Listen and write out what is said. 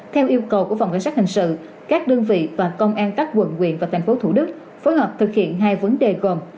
theo yêu cầu của phòng cảnh sát hình sự các đơn vị và công an các quận quyện và tp thủ đức phối hợp thực hiện hai vấn đề gồm